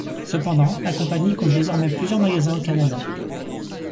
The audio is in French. Cependant, la compagnie compte désormais plusieurs magasins au Canada.